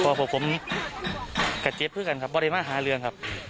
พ่อพ่อผมกับเจฟฟื้อกันครับบริมาศหาเรืองครับ